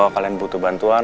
kalau kalian butuh bantuan